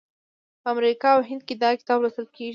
په امریکا او هند کې دا کتاب لوستل کیږي.